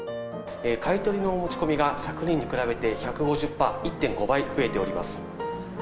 買い取りのお持ち込みが、昨年に比べて１５０パー、１．５倍増えております。